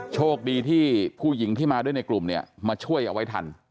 โชคดีที่ผู้หญิงที่มาด้วยในกลุ่มเนี่ยมาช่วยเอาไว้ทัน